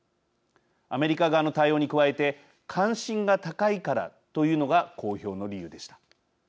アメリカ側の対応に加えて関心が高いからというのが公表の理由でした。